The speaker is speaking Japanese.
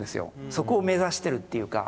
そこを目指してるっていうか。